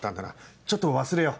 ちょっと忘れよう。